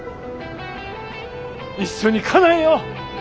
一緒にかなえよう！